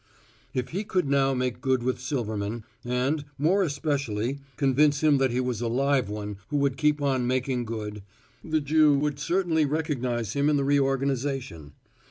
If he could now make good with Silverman, and, more especially, convince him that he was a live one who would keep on making good, the Jew would certainly recognize him in the reorganization.